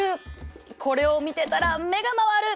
これを見てたら目が回る！